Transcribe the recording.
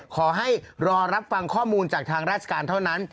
ขอให้รอรับฟังข้อมูลจากทางราชการเท่านั้น